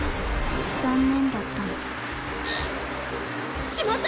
残念だったの。しまった！